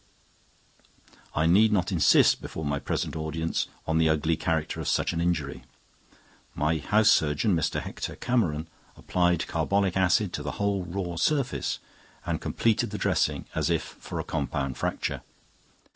I need not insist before my present audience on the ugly character of such an injury. My house surgeon, Mr. Hector Cameron, applied carbolic acid to the whole raw surface, and completed the dressing as if for compound fracture.